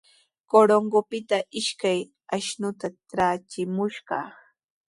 Corongopita ishkay ashnuta traachimushqa.